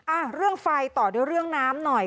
อ่ะเรื่องไฟต่อด้วยเรื่องน้ำหน่อย